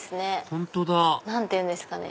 本当だ何ていうんですかね